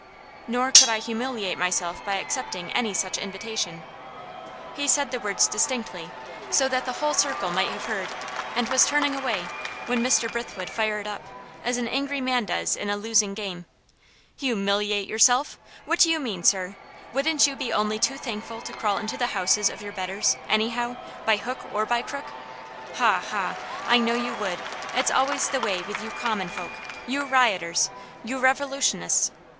"Nor could I humiliate myself by accepting any such invitation." He said the words distinctly, so that the whole circle might have heard, and was turning away, when Mr. Brithwood fired up as an angry man does in a losing game. "Humiliate yourself! What do you mean, sir? Wouldn't you be only too thankful to crawl into the houses of your betters, any how, by hook or by crook? Ha! ha! I know you would. It's always the way with you common folk, you rioters, you revolutionists.